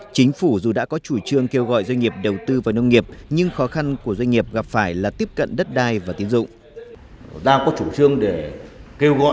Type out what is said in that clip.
chính phủ dù đã có chủ trương kêu gọi doanh nghiệp đầu tư vào nông nghiệp nhưng khó khăn của doanh nghiệp gặp phải là tiếp cận đất đai và tiến dụng